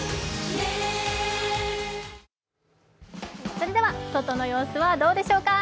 それでは外の様子はどうでしょうか？